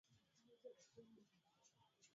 ambao tunaweza tukasema kwamba ni makubwa kwenye gazi